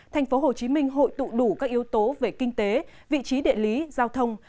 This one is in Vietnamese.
thành phố hồ chí minh hội tụ đủ các yếu tố về kinh tế vị trí địa lý giao thông